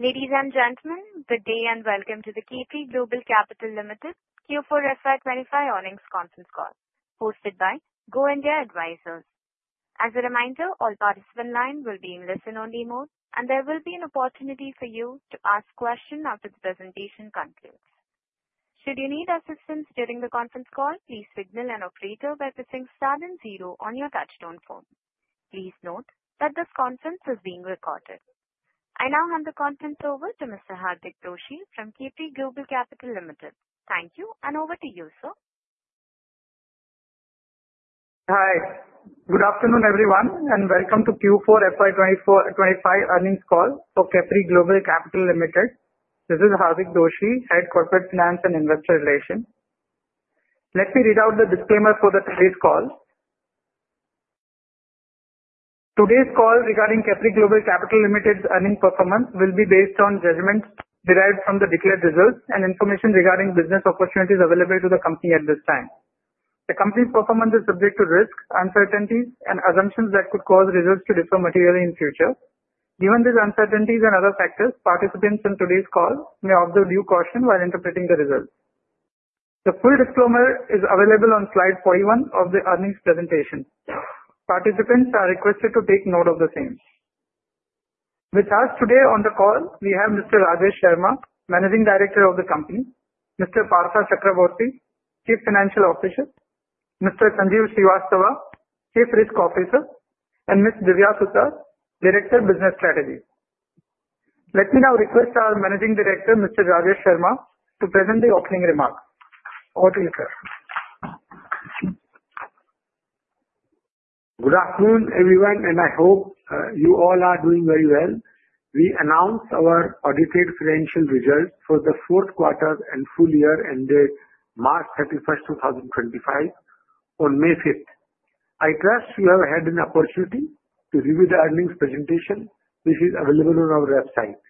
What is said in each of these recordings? Ladies and gentlemen, good day and welcome to the Capri Global Capital Limited Q4FY25 Earnings Conference Call, hosted by Go India Advisors. As a reminder, all participant lines will be in listen-only mode, and there will be an opportunity for you to ask questions after the presentation concludes. Should you need assistance during the conference call, please signal an operator by pressing star then zero on your touch-tone phone. Please note that this conference is being recorded. I now hand the conference over to Mr. Hardik Doshi from Capri Global Capital Limited. Thank you, and over to you, sir. Hi. Good afternoon, everyone, and welcome to Q4FY25 earnings call for Capri Global Capital Limited. This is Hardik Doshi, Head Corporate Finance and Investor Relations. Let me read out the disclaimer for today's call. Today's call regarding Capri Global Capital Limited's earnings performance will be based on judgments derived from the declared results and information regarding business opportunities available to the company at this time. The company's performance is subject to risks, uncertainties, and assumptions that could cause results to differ materially in the future. Given these uncertainties and other factors, participants in today's call may observe due caution while interpreting the results. The full disclaimer is available on slide 41 of the earnings presentation. Participants are requested to take note of the same. With us today on the call, we have Mr. Rajesh Sharma, Managing Director of the company; Mr. Partha Chakraborty, Chief Financial Officer; Mr. Sanjeev Srivastava, Chief Risk Officer, and Ms. Divya Sutar, Director of Business Strategy. Let me now request our Managing Director, Mr. Rajesh Sharma, to present the opening remarks. Over to you, sir. Good afternoon, everyone, and I hope you all are doing very well. We announce our audited financial results for the fourth quarter and full year ended March 31, 2025, on May 5th. I trust you have had an opportunity to review the earnings presentation, which is available on our website.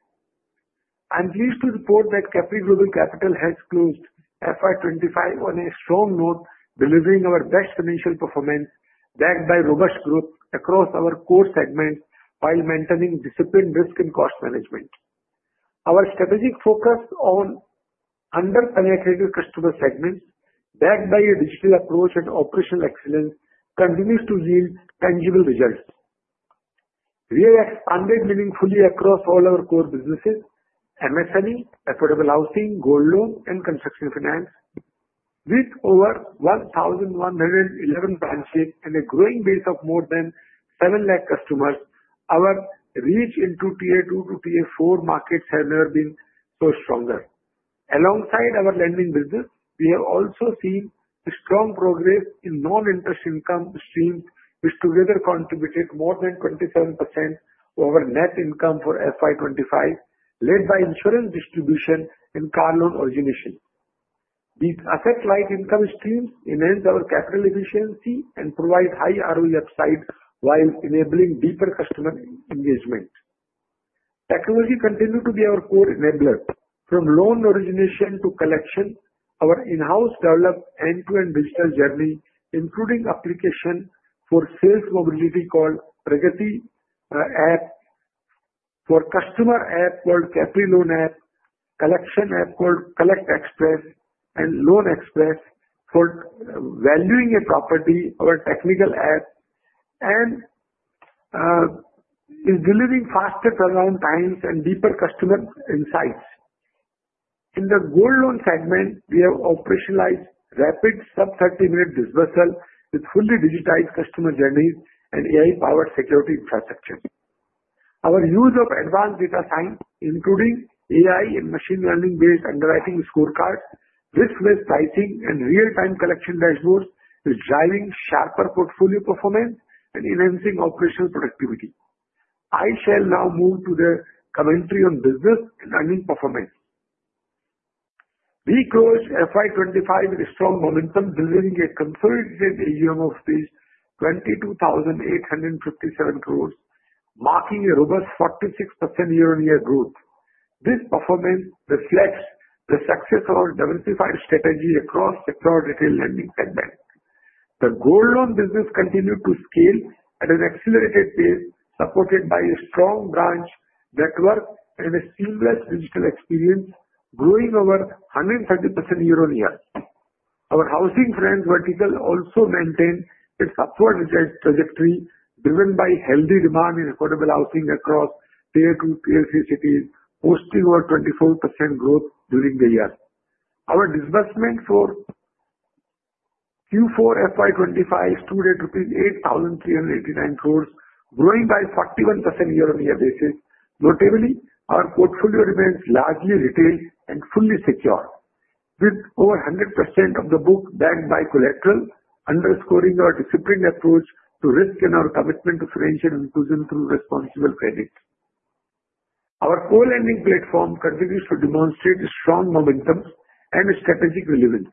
I'm pleased to report that Capri Global Capital has closed FY25 on a strong note, delivering our best financial performance backed by robust growth across our core segments while maintaining disciplined risk and cost management. Our strategic focus on underpenetrated customer segments, backed by a digital approach and operational excellence, continues to yield tangible results. We have expanded meaningfully across all our core businesses: MSME, affordable housing, gold loans, and construction finance. With over 1,111 branches and a growing base of more than 7 lakh customers, our reach into Tier 2 to Tier 4 markets has never been so strong. Alongside our lending business, we have also seen strong progress in non-interest income streams, which together contributed more than 27% of our net income for FY 2025, led by insurance distribution and car loan origination. These asset-like income streams enhance our capital efficiency and provide high ROE upside while enabling deeper customer engagement. Technology continued to be our core enabler. From loan origination to collection, our in-house developed end-to-end digital journey, including application for sales mobility called Pragati App, for customer app called Capri Loan App, collection app called Collect Express, and Loan Express for valuing a property, our technical app, is delivering faster turnaround times and deeper customer insights. In the gold loan segment, we have operationalized rapid sub-30-minute disbursal with fully digitized customer journeys and AI-powered security infrastructure. Our use of advanced data science, including AI and machine learning-based underwriting scorecards, risk-based pricing, and real-time collection dashboards, is driving sharper portfolio performance and enhancing operational productivity. I shall now move to the commentary on business and earning performance. We closed FY2025 with a strong momentum, delivering a consolidated AUM of 22,857 crore, marking a robust 46% year-on-year growth. This performance reflects the success of our diversified strategy across sector retail lending segments. The gold loan business continued to scale at an accelerated pace, supported by a strong branch network and a seamless digital experience, growing over 130% year-on-year. Our housing finance vertical also maintained its upward trajectory, driven by healthy demand in affordable housing across Tier 2, Tier 3 cities, posting over 24% growth during the year. Our disbursement for Q4 FY2025 stood at rupees 8,389 crore, growing by 41% year-on-year basis. Notably, our portfolio remains largely retail and fully secure, with over 100% of the book backed by collateral, underscoring our disciplined approach to risk and our commitment to financial inclusion through responsible credit. Our co-lending platform continues to demonstrate strong momentum and strategic relevance.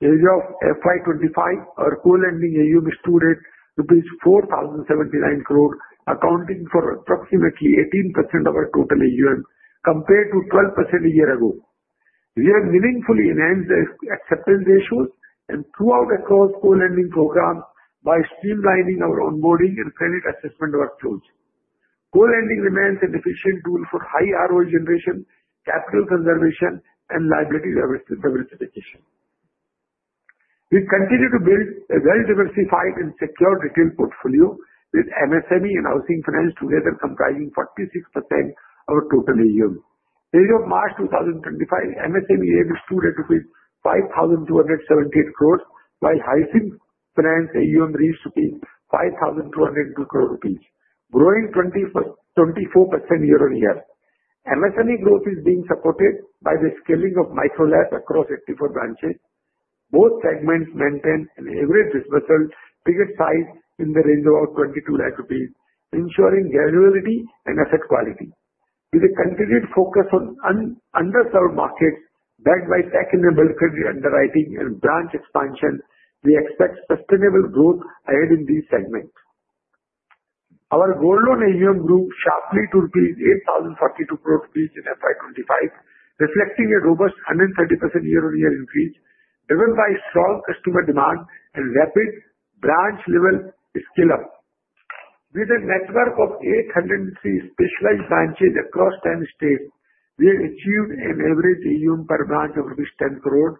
As of FY 2025, our co-lending AUM stood at rupees 4,079 crore, accounting for approximately 18% of our total AUM, compared to 12% a year ago. We have meaningfully enhanced the acceptance ratios and throughput across co-lending programs by streamlining our onboarding and credit assessment workflows. Co-lending remains an efficient tool for high ROE generation, capital conservation, and liability diversification. We continue to build a well-diversified and secure retail portfolio, with MSME and housing finance together comprising 46% of our total AUM. As of March 2025, MSME AUM stood at INR 5,278 crore, while housing finance AUM reached 5,202 crore rupees, growing 24% year-on-year. MSME growth is being supported by the scaling of MicroLabs across 84 branches. Both segments maintain an average disbursal figure size in the range of 2.2 million rupees, ensuring granularity and asset quality. With a continued focus on underserved markets backed by tech-enabled credit underwriting and branch expansion, we expect sustainable growth ahead in these segments. Our gold loan AUM grew sharply to 80.42 billion rupees in 2025, reflecting a robust 130% year-on-year increase, driven by strong customer demand and rapid branch-level scale-up. With a network of 803 specialized branches across 10 states, we have achieved an average AUM per branch of rupees 100 million,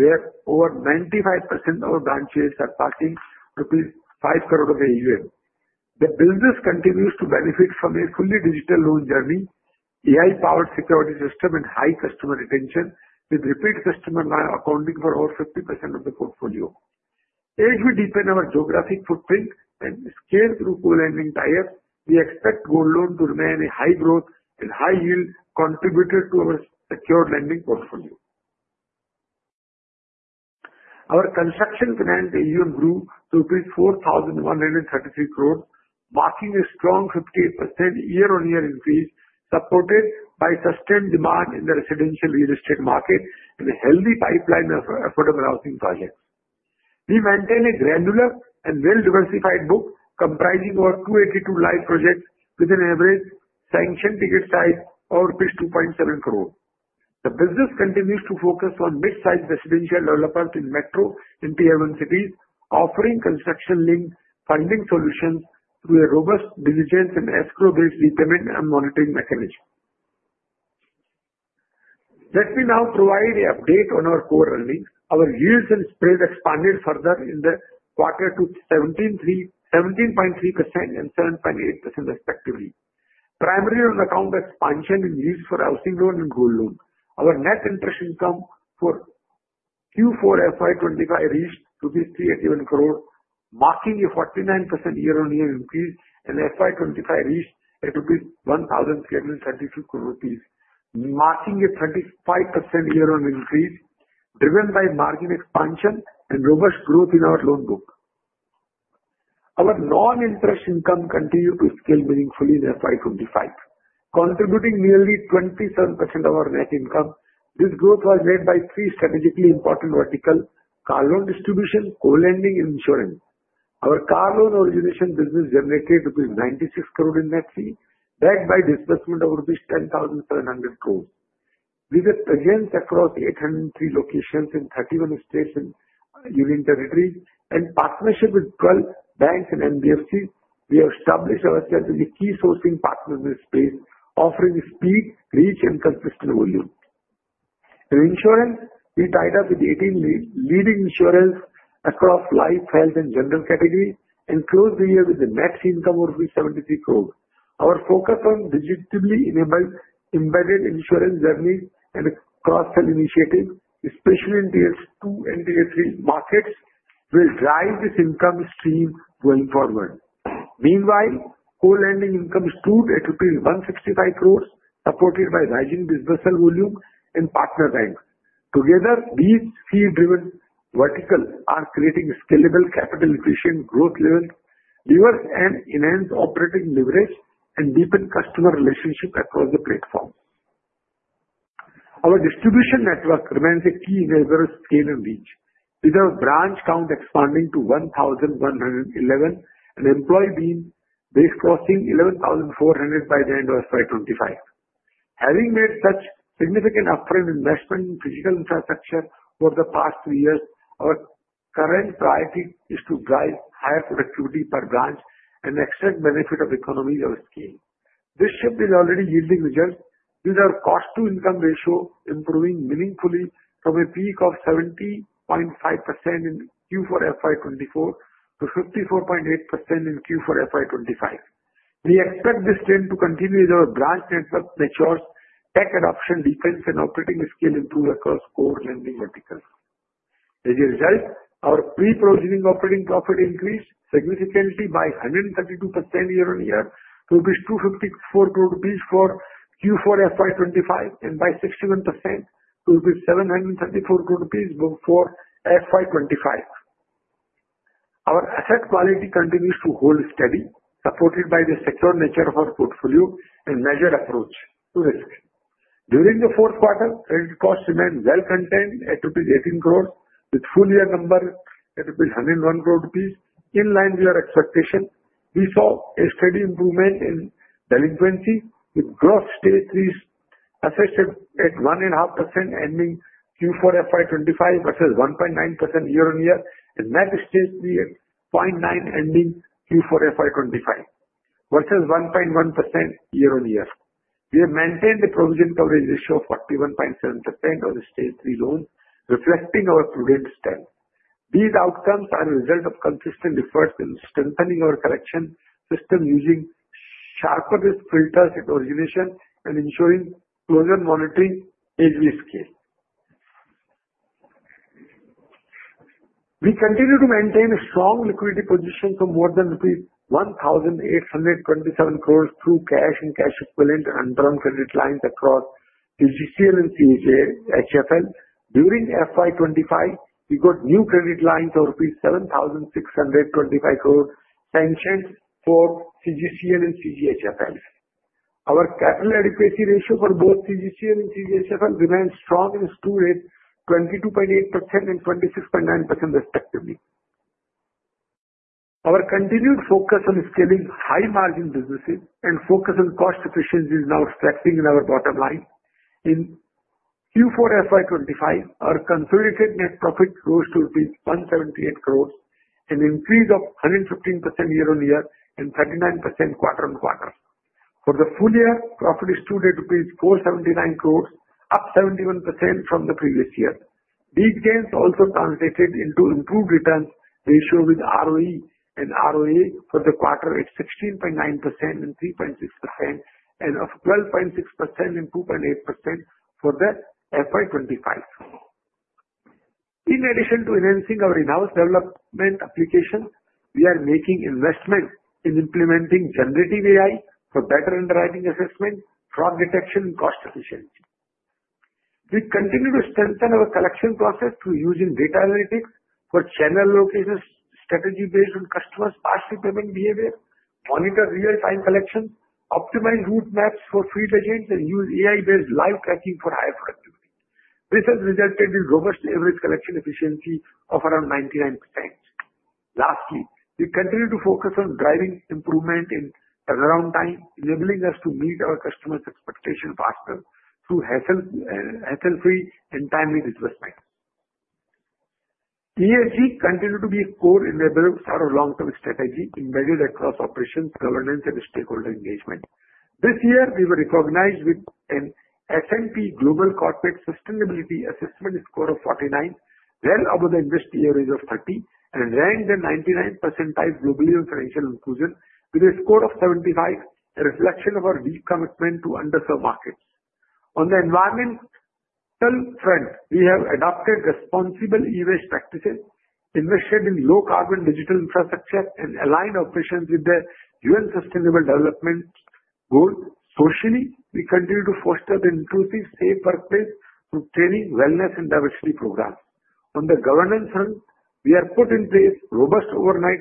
where over 95% of our branches are passing rupees 50 million of AUM. The business continues to benefit from a fully digital loan journey, AI-powered security system, and high customer retention, with repeat customers accounting for over 50% of the portfolio. As we deepen our geographic footprint and scale through co-lending tiers, we expect gold loans to remain a high-growth and high-yield contributor to our secure lending portfolio. Our construction finance AUM grew to 4,133 crore, marking a strong 58% year-on-year increase, supported by sustained demand in the residential real estate market and a healthy pipeline of affordable housing projects. We maintain a granular and well-diversified book, comprising over 282 live projects with an average sanctioned ticket size of 2.7 crore. The business continues to focus on mid-size residential developments in metro and Tier 1 cities, offering construction-linked funding solutions through a robust diligence and escrow-based repayment and monitoring mechanism. Let me now provide an update on our core earnings. Our yields and spreads expanded further in the quarter to 17.3% and 7.8% respectively, primarily on account of expansion in yields for housing loan and gold loan. Our net interest income for Q4 FY2025 reached 381 crore, marking a 49% year-on-year increase, and FY2025 reached at 1,332 crore, marking a 25% year-on-year increase, driven by margin expansion and robust growth in our loan book. Our non-interest income continued to scale meaningfully in FY2025, contributing nearly 27% of our net income. This growth was led by three strategically important verticals: car loan distribution, co-lending, and insurance. Our car loan origination business generated 96 crore in net fee, backed by disbursement of 10,700 crore. With a presence across 803 locations in 31 states and Union Territory, and partnership with 12 banks and NBFCs, we have established ourselves as a key sourcing partner in this space, offering speed, reach, and consistent volume. In insurance, we tied up with 18 leading insurers across life, health, and general categories, and closed the year with a net income of 73 crore. Our focus on digitally enabled embedded insurance journeys and cross-sell initiatives, especially in Tier 2 and Tier 3 markets, will drive this income stream going forward. Meanwhile, co-lending income stood at 165 crore, supported by rising disbursal volume and partner banks. Together, these fee-driven verticals are creating scalable capital-efficient growth levels, reverse and enhance operating leverage, and deepen customer relationships across the platform. Our distribution network remains a key enabler of scale and reach, with our branch count expanding to 1,111 and employee base crossing 11,400 by the end of FY 2025. Having made such significant upfront investment in physical infrastructure over the past three years, our current priority is to drive higher productivity per branch and extend benefit of economies of scale. This shift is already yielding results, with our cost-to-income ratio improving meaningfully from a peak of 70.5% in Q4 FY 2024 to 54.8% in Q4 FY 2025. We expect this trend to continue as our branch network matures, tech adoption, defense, and operating scale improve across core lending verticals. As a result, our pre-closing operating profit increased significantly by 132% year-on-year to 2.54 billion rupees for Q4 FY2025 and by 61% to 7.34 billion rupees for FY2025. Our asset quality continues to hold steady, supported by the secure nature of our portfolio and measured approach to risk. During the fourth quarter, credit costs remained well contained at INR 180 million, with full-year numbers at 1.01 billion rupees, in line with our expectation. We saw a steady improvement in delinquency, with gross stage III assets at 1.5% ending Q4 FY2025 versus 1.9% year-on-year, and net stage III at 0.9% ending Q4 FY2025 versus 1.1% year-on-year. We have maintained a provision coverage ratio of 41.7% on stage III loans, reflecting our prudent steps. These outcomes are a result of consistent efforts in strengthening our collection system using sharper risk filters at origination and ensuring closer monitoring as we scale. We continue to maintain a strong liquidity position for more than rupees 1,827 crore through cash and cash equivalent and interim credit lines across CGCL and CGHFL. During FY 2025, we got new credit lines of rupees 7,625 crore sanctioned for CGCL and CGHFL. Our capital adequacy ratio for both CGCL and CGHFL remains strong and stood at 22.8% and 26.9% respectively. Our continued focus on scaling high-margin businesses and focus on cost efficiency is now reflecting in our bottom line. In Q4 FY 2025, our consolidated net profit rose to rupees 178 crore, an increase of 115% year-on-year and 39% quarter-on-quarter. For the full-year profit, it stood at rupees 479 crore, up 71% from the previous year. These gains also translated into improved returns ratio with ROE and ROA for the quarter at 16.9% and 3.6%, and of 12.6% and 2.8% for the FY 2025. In addition to enhancing our in-house development applications, we are making investments in implementing generative AI for better underwriting assessment, fraud detection, and cost efficiency. We continue to strengthen our collection process through using data analytics for channel location strategy based on customers' partial payment behavior, monitor real-time collection, optimize route maps for field agents, and use AI-based live tracking for higher productivity. This has resulted in robust average collection efficiency of around 99%. Lastly, we continue to focus on driving improvement in turnaround time, enabling us to meet our customers' expectations faster through hassle-free and timely disbursements. ESG continues to be a core enabler of our long-term strategy, embedded across operations, governance, and stakeholder engagement. This year, we were recognized with an S&P Global Corporate Sustainability Assessment score of 49, well above the investor average of 30, and ranked the 99th percentile globally on financial inclusion, with a score of 75, a reflection of our deep commitment to underserved markets. On the environmental front, we have adopted responsible e-waste practices, invested in low-carbon digital infrastructure, and aligned operations with the UN Sustainable Development Goals. Socially, we continue to foster the inclusive, safe workplace through training, wellness, and diversity programs. On the governance front, we have put in place robust oversight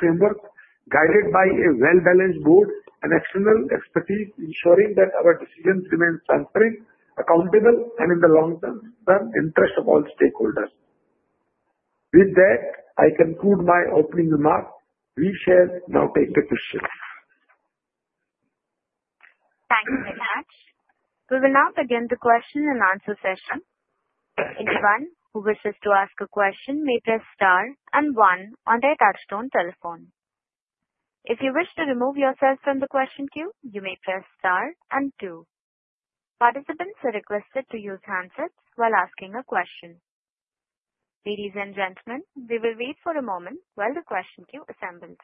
frameworks guided by a well-balanced board and external expertise, ensuring that our decisions remain transparent, accountable, and in the long-term interest of all stakeholders. With that, I conclude my opening remarks. We shall now take the questions. Thank you very much. We will now begin the question and answer session. Anyone who wishes to ask a question may press star and one on their touchstone telephone. If you wish to remove yourself from the question queue, you may press star and two. Participants are requested to use handsets while asking a question. Ladies and gentlemen, we will wait for a moment while the question queue assembles.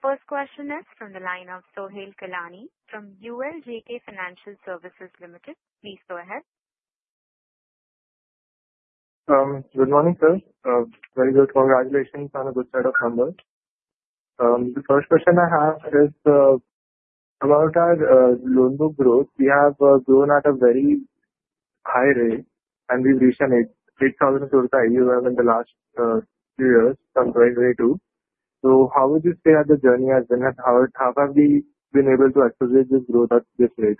The first question is from the line of Sohail Kanalil from ULJK Financial Services Limited. Please go ahead. Good morning, sir. Very good. Congratulations on a good set of numbers. The first question I have is about our loan book growth. We have grown at a very high rate, and we've reached an 8,000 crore AUM in the last few years, from 2022. How would you say that the journey has been? How have we been able to accelerate this growth at this rate?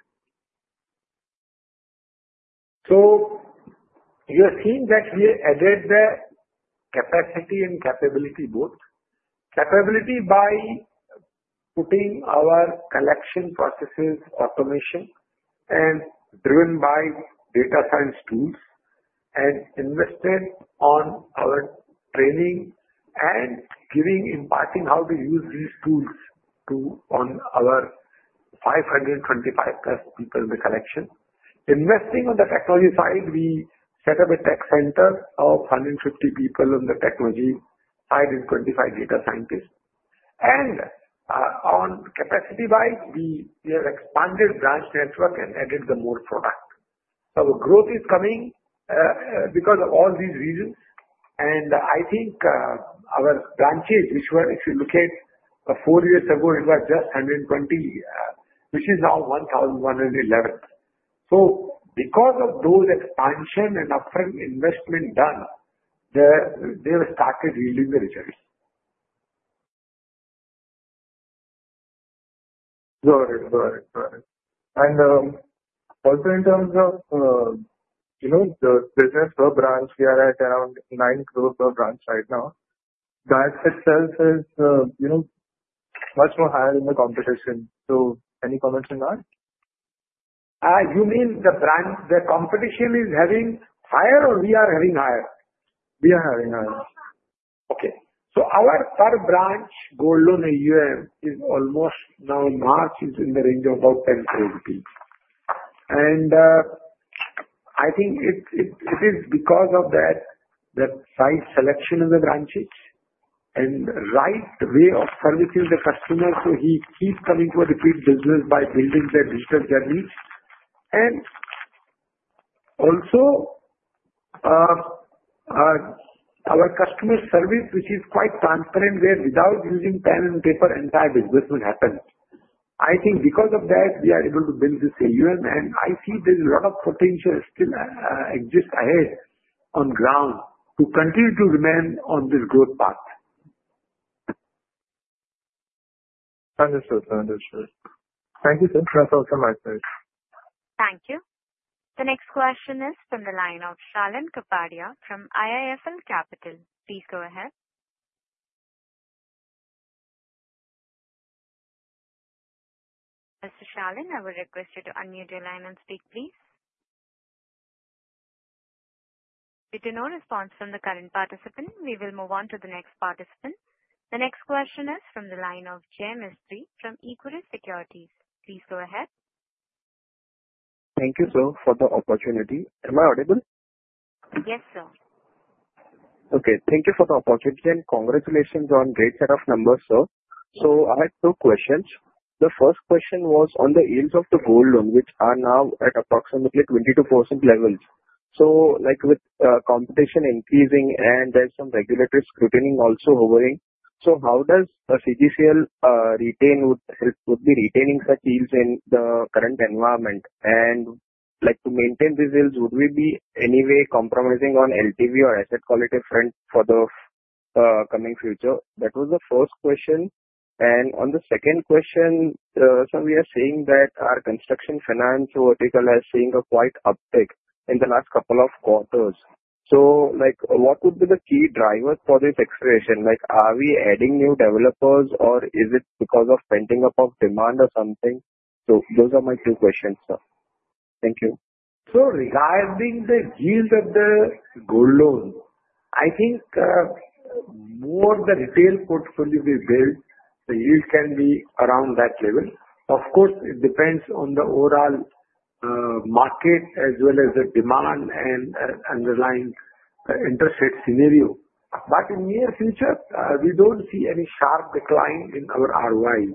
You are seeing that we added the capacity and capability both. Capability by putting our collection processes automation and driven by data science tools and invested on our training and giving imparting how to use these tools to our 525-plus people in the collection. Investing on the technology side, we set up a tech center of 150 people on the technology side and 25 data scientists. On capacity-wise, we have expanded branch network and added the more product. Growth is coming because of all these reasons. I think our branches, which were, if you look at four years ago, it was just 120, which is now 1,111. Because of those expansion and upfront investment done, they have started yielding the results. Got it. Got it. Got it. Also, in terms of the business per branch, we are at around 9 crore per branch right now. That itself is much higher than the competition. Any comments on that? You mean the competition is having higher or we are having higher? We are having higher. Okay. So our per branch gold loan AUM is almost now March is in the range of about 10 crore rupees. And I think it is because of that size selection in the branches and right way of servicing the customer. So he keeps coming to a repeat business by building the digital journeys. And also, our customer service, which is quite transparent, where without using pen and paper, entire business will happen. I think because of that, we are able to build this AUM, and I see there's a lot of potential still exists ahead on ground to continue to remain on this growth path. Understood. Thank you. That's also my side. Thank you. The next question is from the line of Shalin Kapadia from IIFL Capital. Please go ahead. Mr. Shalin, I will request you to unmute your line and speak, please. With no response from the current participant, we will move on to the next participant. The next question is from the line of Jay Mistry from Equirus Securities. Please go ahead. Thank you, sir, for the opportunity. Am I audible? Yes, sir. Okay. Thank you for the opportunity and congratulations on great set of numbers, sir. I had two questions. The first question was on the yields of the gold loan, which are now at approximately 22% levels. With competition increasing and there is some regulatory scrutiny also hovering, how does CGCL retain such yields in the current environment? To maintain these yields, would we be in any way compromising on LTV or asset quality front for the coming future? That was the first question. On the second question, we are seeing that our construction finance vertical has seen quite an uptick in the last couple of quarters. What would be the key drivers for this expansion? Are we adding new developers or is it because of pent-up demand or something? Those are my two questions, sir. Thank you. Regarding the yield of the gold loan, I think the more the retail portfolio we build, the yield can be around that level. Of course, it depends on the overall market as well as the demand and underlying interest rate scenario. In the near future, we do not see any sharp decline in our ROI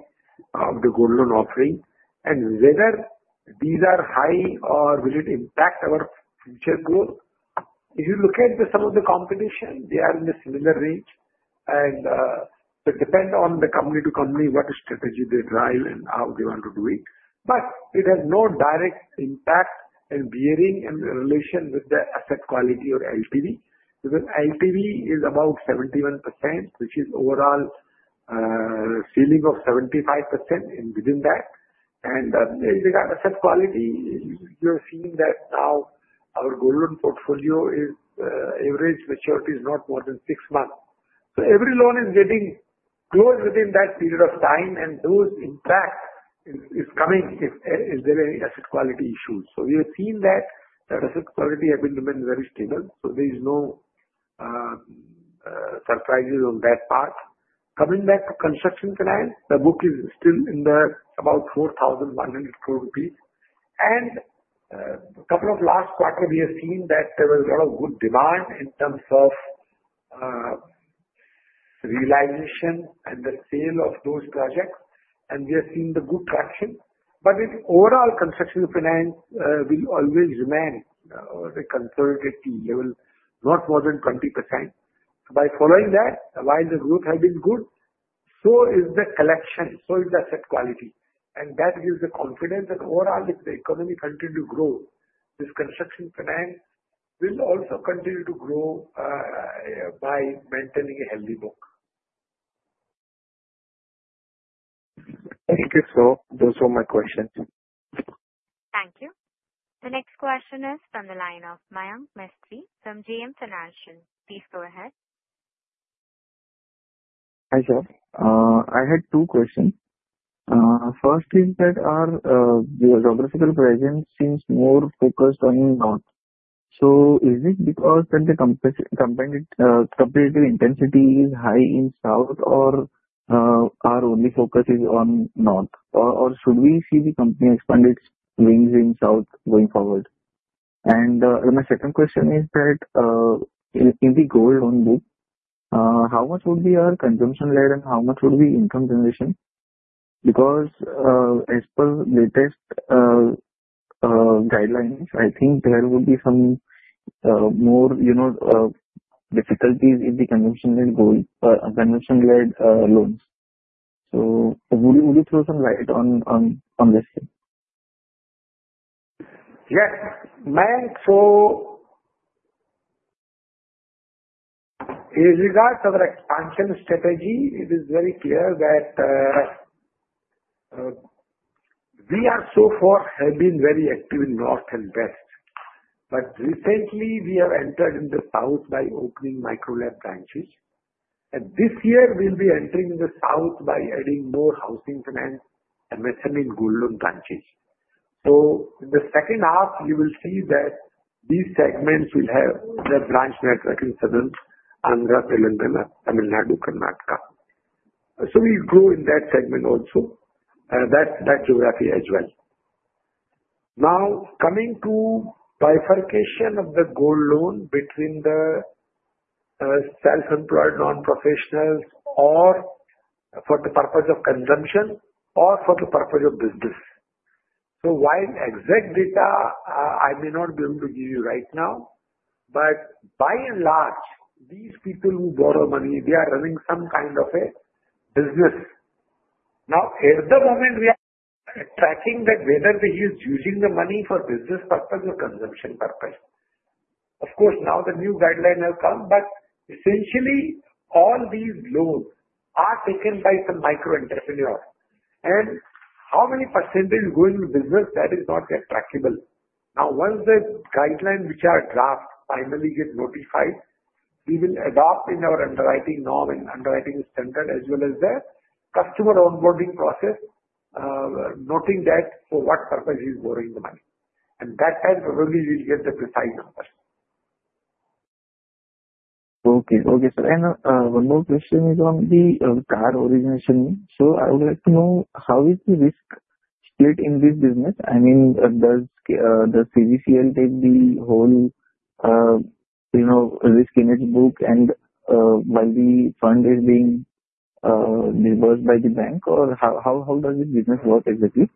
of the gold loan offering. Whether these are high or will it impact our future growth? If you look at some of the competition, they are in the similar range. It depends on the company to company what strategy they drive and how they want to do it. It has no direct impact and bearing in relation with the asset quality or LTV. LTV is about 71%, which is overall ceiling of 75% and within that. With regard to asset quality, you are seeing that now our gold loan portfolio average maturity is not more than six months. Every loan is getting closed within that period of time, and those impact is coming if there are any asset quality issues. We have seen that asset quality has been very stable. There are no surprises on that part. Coming back to construction finance, the book is still in the about 4,100 crore rupees. In a couple of last quarters, we have seen that there was a lot of good demand in terms of realization and the sale of those projects. We have seen the good traction. With overall construction finance, we always remain at a conservative level, not more than 20%. By following that, while the growth has been good, so is the collection, so is the asset quality. That gives the confidence that overall, if the economy continues to grow, this construction finance will also continue to grow by maintaining a healthy book. Thank you, sir. Those were my questions. Thank you. The next question is from the line of Mayank Mistry from JM Financial. Please go ahead. Hi, sir. I had two questions. First is that our geographical presence seems more focused on north. Is it because the competitive intensity is high in south or our only focus is on north? Should we see the company expand its wings in south going forward? My second question is that in the gold loan book, how much would be our consumption led and how much would be income generation? As per latest guidelines, I think there would be some more difficulties in the consumption led loans. Would you throw some light on this? Yes. So with regards to our expansion strategy, it is very clear that we have so far been very active in north and west. Recently, we have entered in the south by opening MicroLabs branches. This year, we will be entering in the south by adding more housing finance and MSME gold loan branches. In the second half, you will see that these segments will have the branch network in southern Andhra Pradesh, Tamil Nadu, Karnataka. We grow in that segment also, that geography as well. Now, coming to bifurcation of the gold loan between the self-employed non-professionals or for the purpose of consumption or for the purpose of business. While exact data, I may not be able to give you right now, by and large, these people who borrow money, they are running some kind of a business. Now, at the moment, we are tracking that whether he is using the money for business purpose or consumption purpose. Of course, now the new guideline has come, but essentially, all these loans are taken by some micro entrepreneurs. How many % going to business, that is not yet trackable. Now, once the guidelines which are draft finally get notified, we will adopt in our underwriting norm and underwriting standard as well as the customer onboarding process, noting that for what purpose he is borrowing the money. That time, probably we'll get the precise numbers. Okay. Okay, sir. One more question is on the card origination. I would like to know how is the risk split in this business? I mean, does CGCL take the whole risk in its book while the fund is being disbursed by the bank? How does this business work exactly?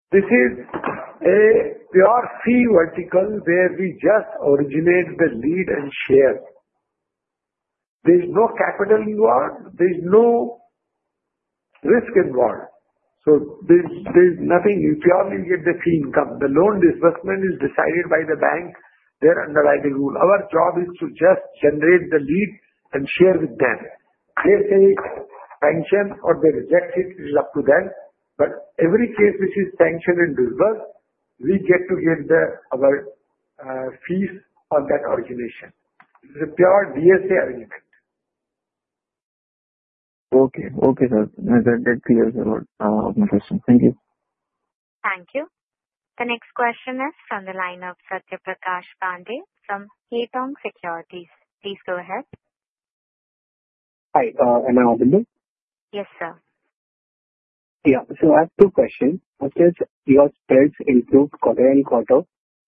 This is a pure fee vertical where we just originate the lead and share. There is no capital involved. There is no risk involved. There is nothing. You purely get the fee income. The loan disbursement is decided by the bank, their underwriting rule. Our job is to just generate the lead and share with them. They say sanction or they reject it, it is up to them. Every case which is sanctioned and disbursed, we get to get our fees on that origination. It is a pure DSA argument. Okay. Okay, sir. That clears a lot of my questions. Thank you. Thank you. The next question is from the line of Satyaprakash Pandey from Haitong Securities. Please go ahead. Hi. Am I audible? Yes, sir. Yeah. I have two questions. First is, your spreads improved quarter on quarter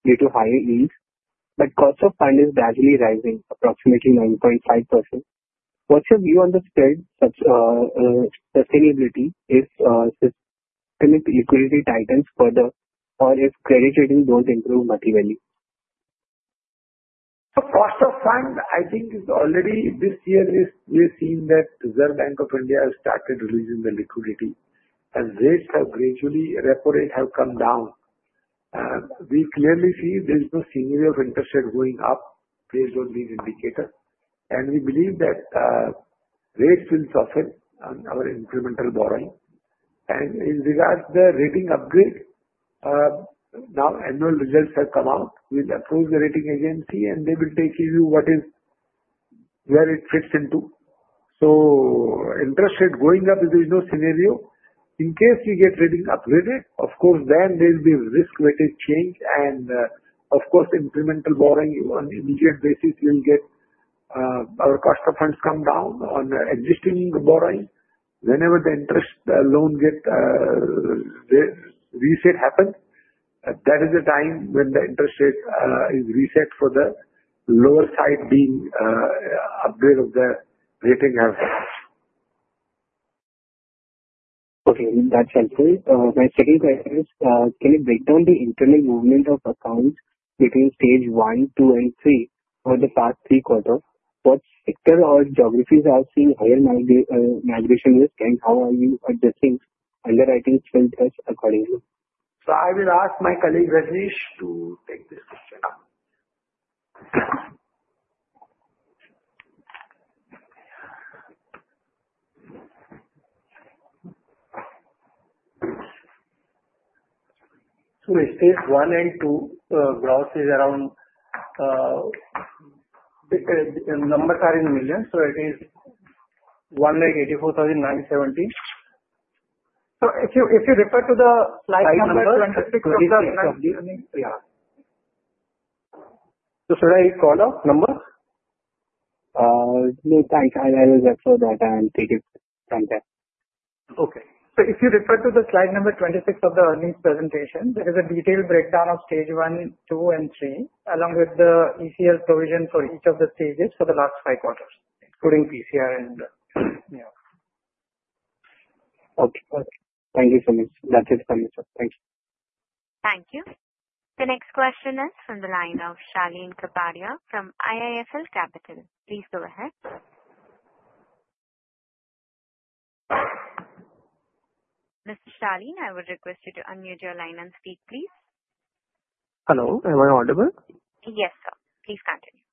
due to higher yields, but cost of fund is gradually rising, approximately 9.5%. What's your view on the spread sustainability if systemic liquidity tightens further or if credit rating does not improve multi-value? The cost of fund, I think, is already this year we've seen that Reserve Bank of India has started releasing the liquidity. Rates have gradually, reporate have come down. We clearly see there's no scenario of interest rate going up based on these indicators. We believe that rates will soften on our incremental borrowing. In regards to the rating upgrade, now annual results have come out. We'll approve the rating agency and they will take you what is where it fits into. Interest rate going up, there is no scenario. In case we get rating upgraded, of course, then there will be risk-weighted change. Of course, incremental borrowing on immediate basis will get our cost of funds come down on existing borrowing. Whenever the interest loan get reset happens, that is the time when the interest rate is reset for the lower side being upgrade of the rating happens. Okay. That's helpful. My second question is, can you break down the internal movement of accounts between stage I, II, and III over the past three quarters? What sector or geographies are seeing higher migration risk? How are you addressing underwriting spill tests accordingly? I will ask my colleague Rajesh to take this question now. In stage I and II, gross is around, numbers are in millions. It is 1,849.070. If you refer to the slide number. Slide number 26 of the earnings. Yeah. Should I call up numbers? No, thanks. I will refer to that and take it from there. Okay. If you refer to the slide number 26 of the earnings presentation, there is a detailed breakdown of stage I, II, and III, along with the ECR provision for each of the stages for the last five quarters, including PCR and yeah. Okay. Thank you so much. That's it for me, sir. Thank you. Thank you. The next question is from the line of Shalin Kapadia from IIFL Capital. Please go ahead. Mr. Shalin, I would request you to unmute your line and speak, please. Hello. Am I audible? Yes, sir. Please continue.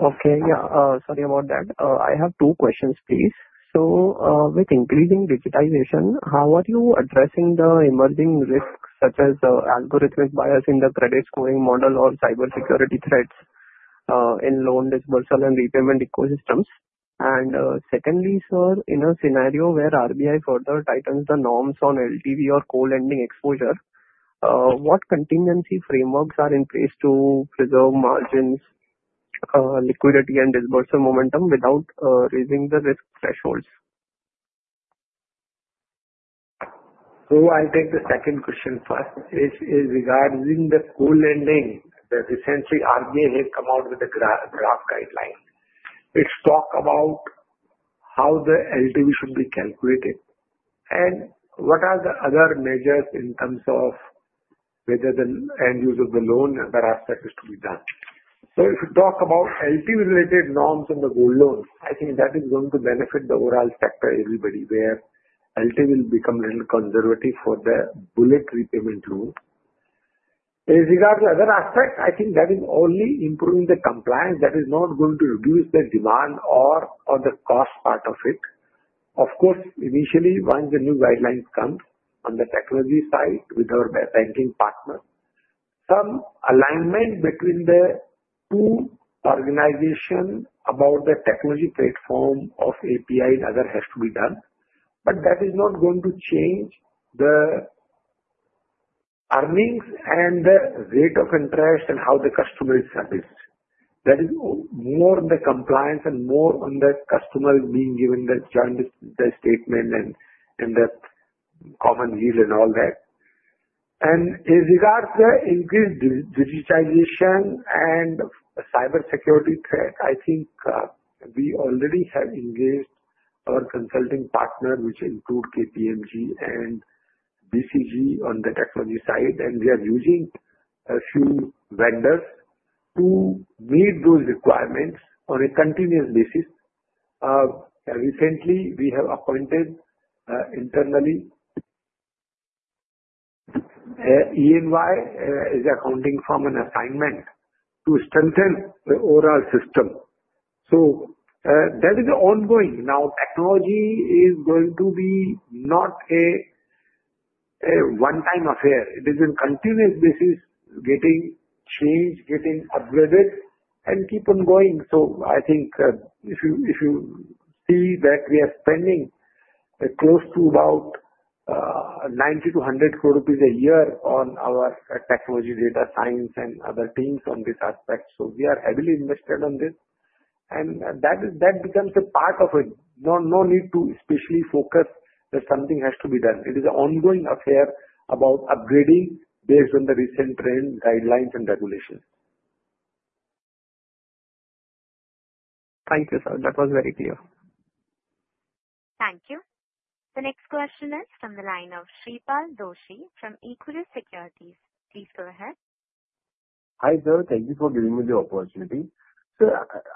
Okay. Yeah. Sorry about that. I have two questions, please. With increasing digitization, how are you addressing the emerging risks such as algorithmic bias in the credit scoring model or cybersecurity threats in loan disbursal and repayment ecosystems? Secondly, sir, in a scenario where RBI further tightens the norms on LTV or co-lending exposure, what contingency frameworks are in place to preserve margins, liquidity, and disbursal momentum without raising the risk thresholds? I'll take the second question first. In regards to the co-lending, essentially, RBI has come out with a draft guideline. It talks about how the LTV should be calculated and what are the other measures in terms of whether the end use of the loan and other aspects is to be done. If you talk about LTV-related norms in the gold loan, I think that is going to benefit the overall sector, everybody, where LTV will become a little conservative for the bullet repayment loan. In regards to other aspects, I think that is only improving the compliance. That is not going to reduce the demand or the cost part of it. Of course, initially, once the new guidelines come on the technology side with our banking partners, some alignment between the two organizations about the technology platform of API and other has to be done. That is not going to change the earnings and the rate of interest and how the customer is serviced. That is more on the compliance and more on the customer being given the joint statement and the common deal and all that. In regards to increased digitization and cybersecurity threat, I think we already have engaged our consulting partner, which includes KPMG and BCG on the technology side. We are using a few vendors to meet those requirements on a continuous basis. Recently, we have appointed internally EY as the accounting firm and assignment to strengthen the overall system. That is ongoing. Now, technology is going to be not a one-time affair. It is on a continuous basis, getting changed, getting upgraded, and keep on going. I think if you see that we are spending close to 90 crore-100 crore rupees a year on our technology, data science, and other teams on this aspect. We are heavily invested on this, and that becomes a part of it. No need to especially focus that something has to be done. It is an ongoing affair about upgrading based on the recent trend, guidelines, and regulations. Thank you, sir. That was very clear. Thank you. The next question is from the line of Shreepal Doshi from Equirus Securities. Please go ahead. Hi, sir. Thank you for giving me the opportunity.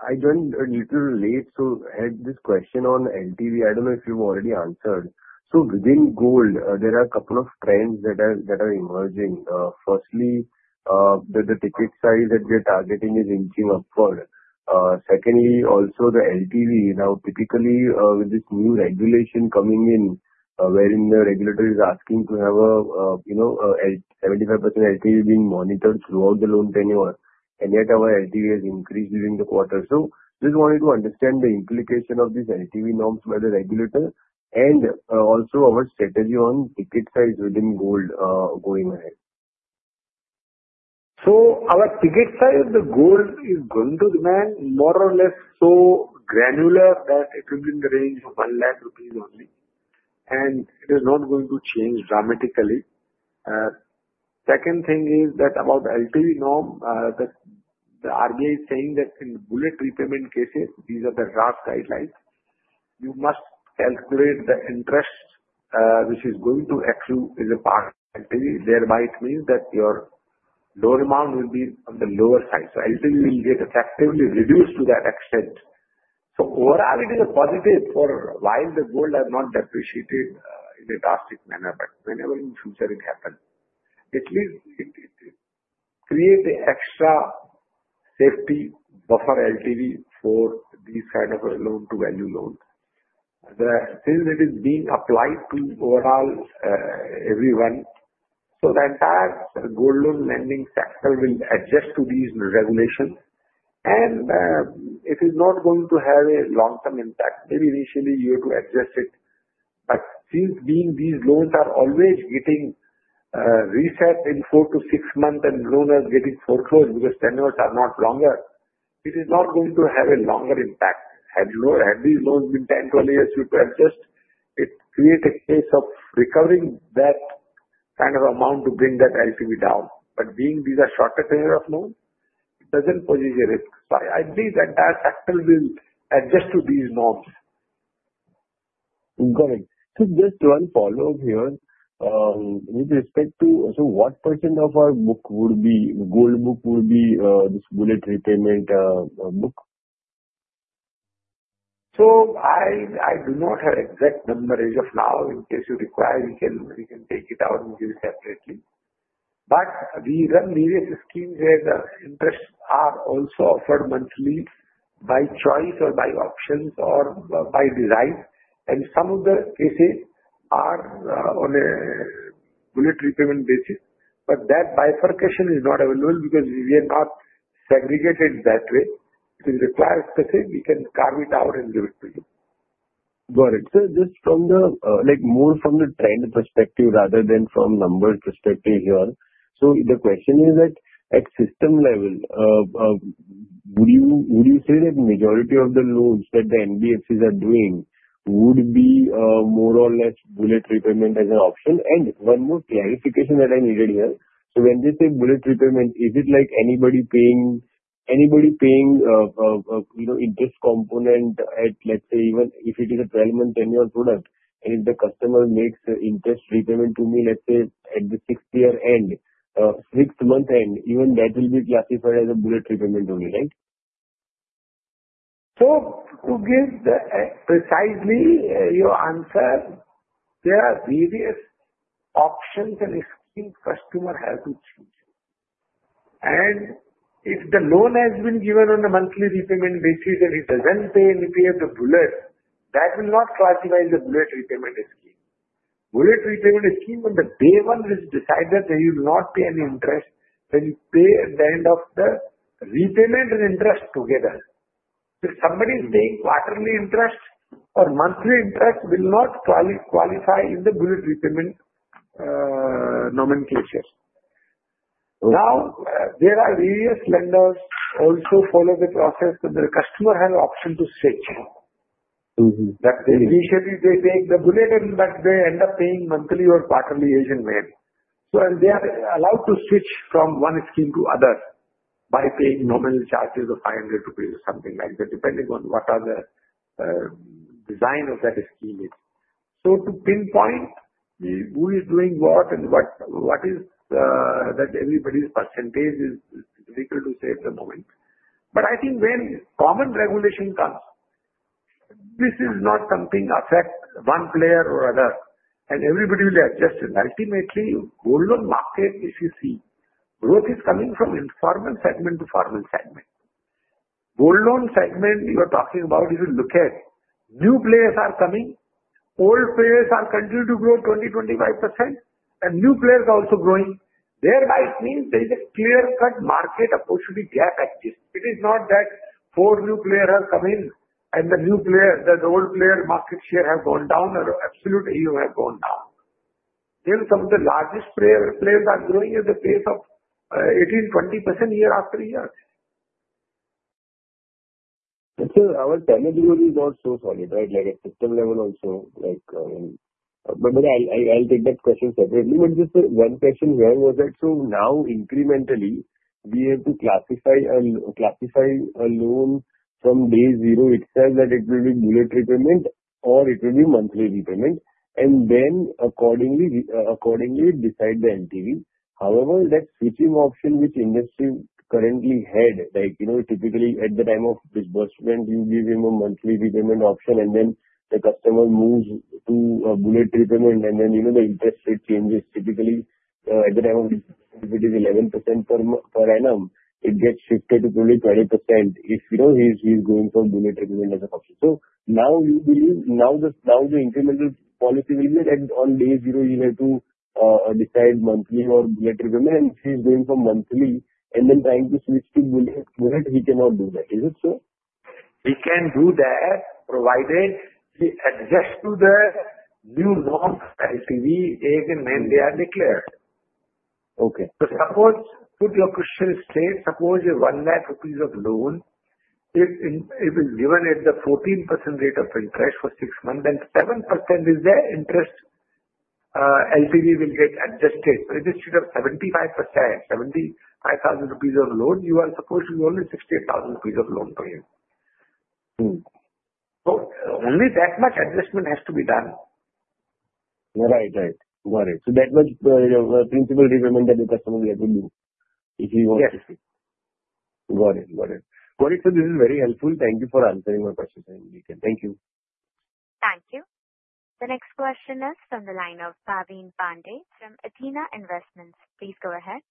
I joined a little late, so I had this question on LTV. I do not know if you have already answered. Within gold, there are a couple of trends that are emerging. Firstly, the ticket size that we are targeting is inching upward. Secondly, also the LTV. Now, typically, with this new regulation coming in, wherein the regulator is asking to have a 75% LTV being monitored throughout the loan tenure, yet our LTV has increased during the quarter. I just wanted to understand the implication of these LTV norms by the regulator and also our strategy on ticket size within gold going ahead. Our ticket size of the gold is going to demand more or less so granular that it will be in the range of 100,000 rupees only. It is not going to change dramatically. Second thing is that about LTV norm, the RBI is saying that in bullet repayment cases, these are the guidelines. You must calculate the interest, which is going to accrue as a part of LTV. Thereby, it means that your loan amount will be on the lower side. LTV will get effectively reduced to that extent. Overall, it is a positive for while the gold has not depreciated in a drastic manner, but whenever in the future it happens, it will create an extra safety buffer LTV for these kind of loan-to-value loans. Since it is being applied to overall everyone, the entire gold loan lending sector will adjust to these regulations. It is not going to have a long-term impact. Maybe initially, you have to adjust it. Since these loans are always getting reset in four to six months and loaners getting foreclosed because tenures are not longer, it is not going to have a longer impact. Had these loans been 10-20 years you have to adjust, it creates a case of recovering that kind of amount to bring that LTV down. Being these are shorter tenure of loans, it does not pose a risk. I believe that sector will adjust to these norms. Got it. Just to unfollow here, with respect to, what percent of our book would be gold book, would be this bullet repayment book? I do not have exact numbers as of now. In case you require, we can take it out and give it separately. We run various schemes where the interests are also offered monthly by choice or by options or by design. Some of the cases are on a bullet repayment basis. That bifurcation is not available because we are not segregated that way. If you require specific, we can carve it out and give it to you. Got it. Just from the trend perspective rather than from numbers perspective here, the question is that at system level, would you say that majority of the loans that the NBFCs are doing would be more or less bullet repayment as an option? One more clarification that I needed here. When they say bullet repayment, is it like anybody paying interest component at, let's say, even if it is a 12-month tenure product, and if the customer makes interest repayment to me, let's say, at the sixth month end, even that will be classified as a bullet repayment only, right? To give precisely your answer, there are various options and schemes the customer has to choose. If the loan has been given on a monthly repayment basis and he does not pay, and if he has the bullet, that will not classify as a bullet repayment scheme. Bullet repayment scheme, on day one it is decided that you will not pay any interest, then you pay at the end of the repayment and interest together. Somebody paying quarterly interest or monthly interest will not qualify in the bullet repayment nomenclature. There are various lenders also who follow the process, and the customer has an option to switch. Initially, they take the bullet, but they end up paying monthly or quarterly as and when. They are allowed to switch from one scheme to another by paying nominal charges of 500 rupees or something like that, depending on what the design of that scheme is. To pinpoint who is doing what and what everybody's percentage is is difficult to say at the moment. I think when common regulation comes, this is not something that will affect one player or another, and everybody will adjust. Ultimately, in the gold loan market, if you see, growth is coming from the informal segment to the formal segment. The gold loan segment you are talking about, if you look at it, new players are coming, old players are continuing to grow 20%-25%, and new players are also growing. Thereby, it means there is a clear-cut market opportunity gap existing. It is not that four new players have come in, and the new player, the old player market share has gone down, or absolute AUM has gone down. Even some of the largest players are growing at the pace of 18%-20% year after year. Our tenure is also solid, right? At system level also. I'll take that question separately. Just one question here was that now incrementally, we have to classify a loan from day zero. It says that it will be bullet repayment or it will be monthly repayment, and then accordingly decide the LTV. However, that switching option which industry currently had, typically at the time of disbursement, you give him a monthly repayment option, and then the customer moves to bullet repayment, and then the interest rate changes. Typically, at the time of disbursement, if it is 11% per annum, it gets shifted to probably 20% if he's going for bullet repayment as an option. You believe now the incremental policy will be that on day zero, you have to decide monthly or bullet repayment, and he's going for monthly, and then trying to switch to bullet, he cannot do that. Is it so? He can do that provided he adjusts to the new norm LTV as and when they are declared. Okay. Suppose put your question straight. Suppose you have 100,000 rupees of loan. If it is given at the 14% rate of interest for six months, then 7% is the interest. LTV will get adjusted. It is set up 75%, 75,000 rupees of loan. You are supposed to be only 68,000 rupees of loan per year. Only that much adjustment has to be done. Right, right. Got it. So that was principal repayment that the customer will have to do if he wants to switch. Yes. Got it. This is very helpful. Thank you for answering my question, Mr. Jiken. Thank you. Thank you. The next question is from the line of Bhavin Pandey from Athena Investments. Please go ahead.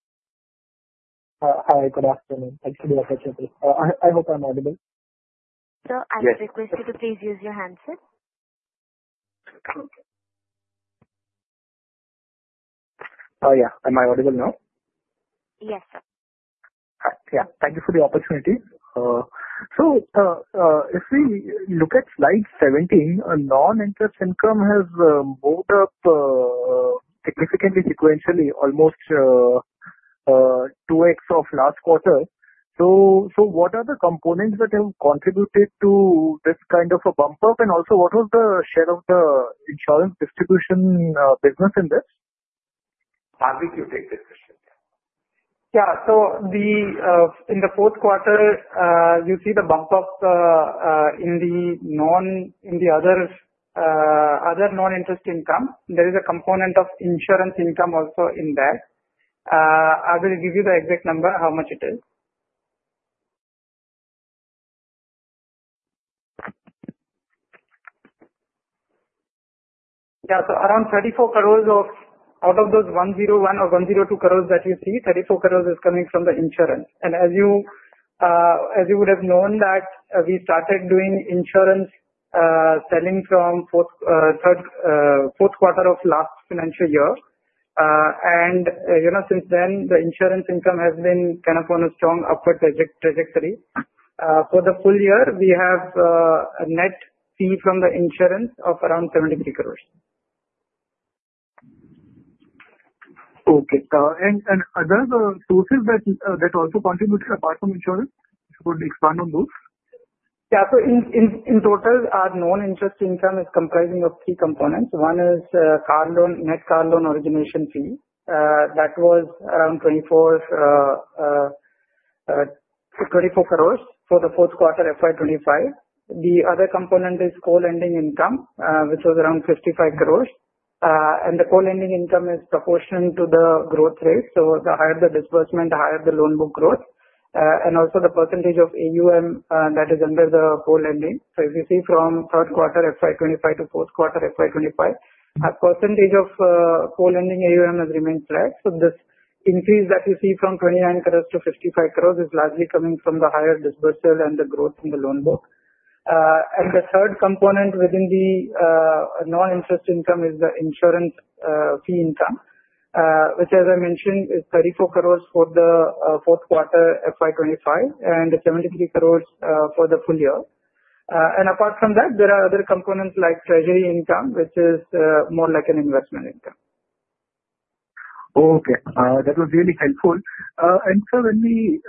Hi. Good afternoon. Thank you for the opportunity. I hope I'm audible. Sir, I would request you to please use your handset. Oh, yeah. Am I audible now? Yes, sir. Yeah. Thank you for the opportunity. If we look at slide 17, non-interest income has moved up significantly sequentially, almost 2x of last quarter. What are the components that have contributed to this kind of a bump up? Also, what was the share of the insurance distribution business in this? Pavin, you take this question. Yeah. In the fourth quarter, you see the bump up in the other non-interest income. There is a component of insurance income also in that. I will give you the exact number, how much it is. Yeah. Around 340 million out of those 1.01 billion or 1.02 billion that you see, 340 million is coming from the insurance. As you would have known, we started doing insurance selling from the fourth quarter of last financial year. Since then, the insurance income has been kind of on a strong upward trajectory. For the full year, we have a net fee from the insurance of around 730 million. Okay. Are there other sources that also contributed apart from insurance? If you could expand on those. Yeah. So in total, our non-interest income is comprising of three components. One is net car loan origination fee. That was around 24 crore for the fourth quarter, FY 2025. The other component is co-lending income, which was around 55 crore. The co-lending income is proportional to the growth rate. The higher the disbursement, the higher the loan book growth. Also, the percentage of AUM that is under the co-lending. If you see from third quarter FY 2025 to fourth quarter FY 2025, our percentage of co-lending AUM has remained flat. This increase that you see from 29 crore to 55 crore is largely coming from the higher disbursal and the growth in the loan book. The third component within the non-interest income is the insurance fee income, which, as I mentioned, is 340 million for the fourth quarter FY2025 and 730 million for the full year. Apart from that, there are other components like treasury income, which is more like an investment income. Okay. That was really helpful. Sir, when we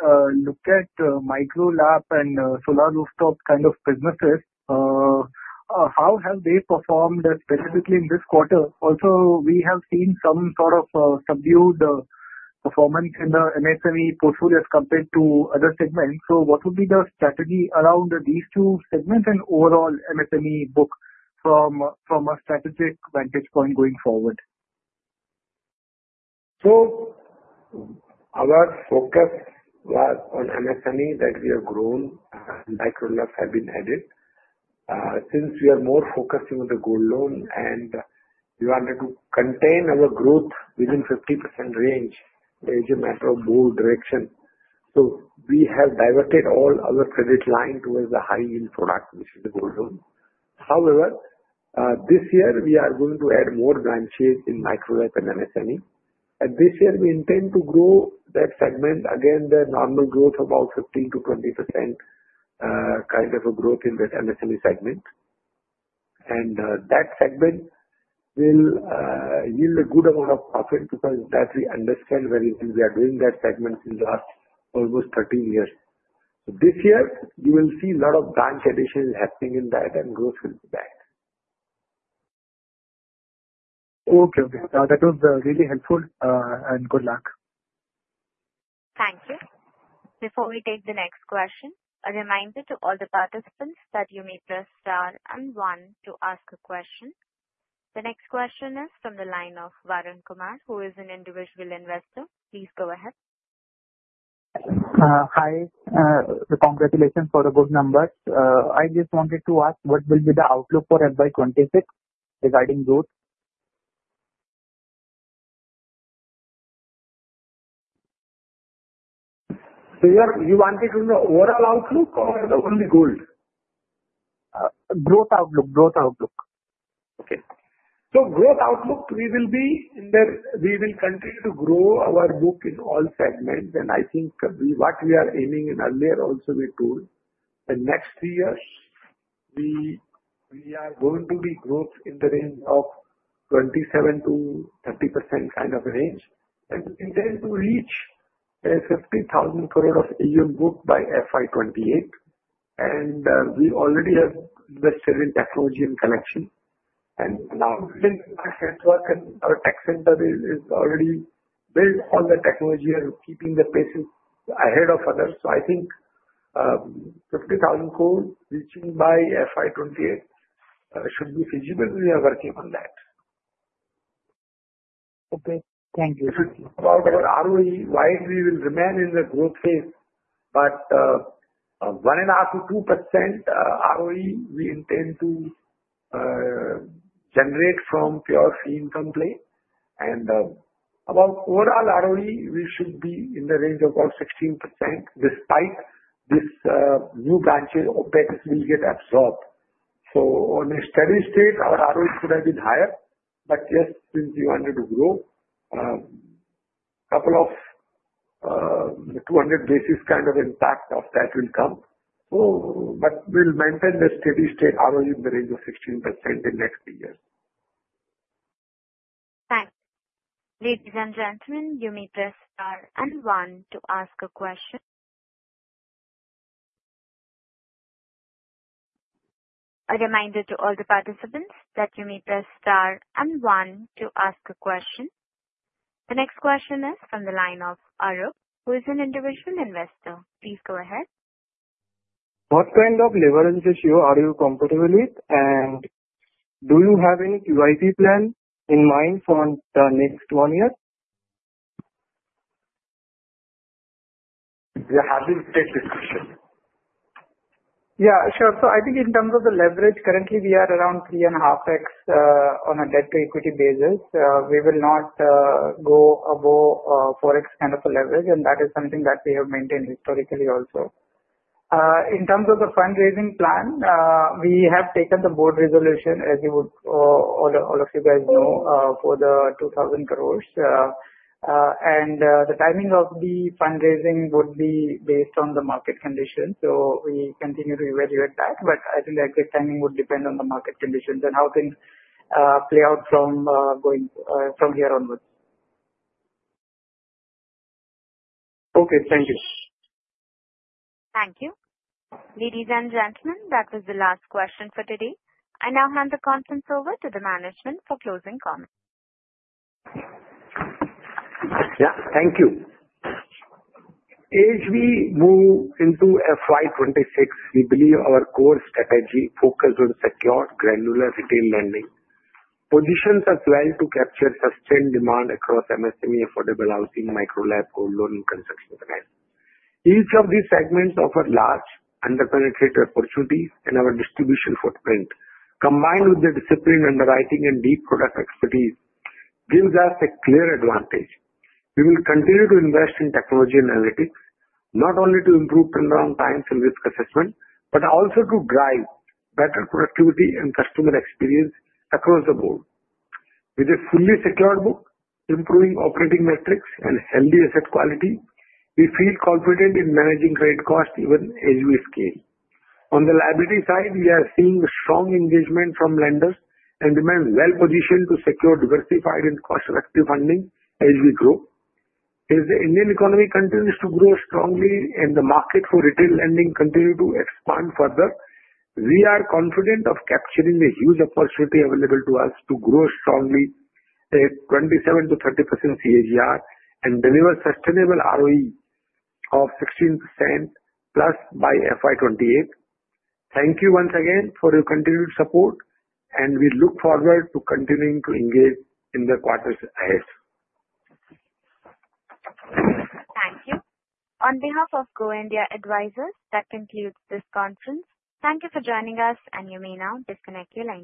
look at MicroLabs and solar rooftop kind of businesses, how have they performed specifically in this quarter? Also, we have seen some sort of subdued performance in the MSME portfolio as compared to other segments. What would be the strategy around these two segments and overall MSME book from a strategic vantage point going forward? Our focus was on MSME that we have grown. MicroLabs have been added. Since we are more focused on the gold loan, and we wanted to contain our growth within the 50% range, there is a matter of bull direction. We have diverted all our credit line towards the high-yield product, which is the gold loan. However, this year, we are going to add more branches in MicroLab and MSME. This year, we intend to grow that segment again, the normal growth of about 15%-20% kind of a growth in that MSME segment. That segment will yield a good amount of profit because that we understand very well. We are doing that segment for the last almost 13 years. This year, you will see a lot of branch additions happening in that, and growth will be back. Okay. That was really helpful, and good luck. Thank you. Before we take the next question, a reminder to all the participants that you may press star and one to ask a question. The next question is from the line of Varun Kumar, who is an individual investor. Please go ahead. Hi. Congratulations for the good numbers. I just wanted to ask what will be the outlook for FY 2026 regarding growth? You wanted to know overall outlook or only gold? Growth outlook. Okay. Growth outlook, we will continue to grow our book in all segments. I think what we are aiming, earlier also we told, the next three years we are going to be growth in the range of 27%-30% kind of range. We intend to reach 50,000 crore of AUM book by FY2028. We already have invested in technology and connection. Now, since our network and our tech center is already built on the technology, we are keeping the pace ahead of others. I think 50,000 crore reaching by FY2028 should be feasible. We are working on that. Okay. Thank you. If it's about our ROE, while we will remain in the growth phase, but 1.5-2% ROE we intend to generate from pure fee income play. And about overall ROE, we should be in the range of about 16% despite these new branches or better we get absorbed. On a steady state, our ROE could have been higher, but just since we wanted to grow, a couple of 200 basis points kind of impact of that will come. We'll maintain the steady state ROE in the range of 16% in the next three years. Thanks. Ladies and gentlemen, you may press star and one to ask a question. A reminder to all the participants that you may press star and one to ask a question. The next question is from the line of Arup, who is an individual investor. Please go ahead. What kind of leverage ratio are you comfortable with? And do you have any QIP plan in mind for the next one year? We have been taking this question. Yeah, sure. I think in terms of the leverage, currently, we are around 3.5x on a debt-to-equity basis. We will not go above 4x kind of a leverage, and that is something that we have maintained historically also. In terms of the fundraising plan, we have taken the board resolution, as you would all of you guys know, for the 2,000 crore. The timing of the fundraising would be based on the market conditions. We continue to evaluate that, but I think the exact timing would depend on the market conditions and how things play out from here onwards. Okay. Thank you. Thank you. Ladies and gentlemen, that was the last question for today. I now hand the conference over to the management for closing comments. Yeah. Thank you. As we move into FY 2026, we believe our core strategy focuses on secure granular retail lending. Positions us well to capture sustained demand across MSME, affordable housing, MicroLab, gold loan, and construction finance. Each of these segments offers large underpenetrated opportunities in our distribution footprint. Combined with the disciplined underwriting and deep product expertise, it gives us a clear advantage. We will continue to invest in technology analytics, not only to improve turnaround time through risk assessment, but also to drive better productivity and customer experience across the board. With a fully secured book, improving operating metrics, and healthy asset quality, we feel confident in managing trade costs even as we scale. On the liability side, we are seeing strong engagement from lenders and remain well-positioned to secure diversified and cost-effective funding as we grow. As the Indian economy continues to grow strongly and the market for retail lending continues to expand further, we are confident of capturing the huge opportunity available to us to grow strongly at 27%-30% CAGR and deliver sustainable ROE of 16%+ by FY2028. Thank you once again for your continued support, and we look forward to continuing to engage in the quarters ahead. Thank you. On behalf of Go India Advisors, that concludes this conference. Thank you for joining us, and you may now disconnect your line.